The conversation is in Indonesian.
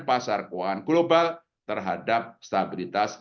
pasar keuangan global terhadap stabilitas